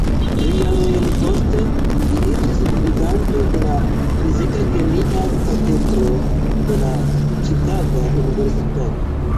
Tri jarojn poste, li iĝis gvidanto de la fizika-kemia katedro de la Ĉikaga Universitato.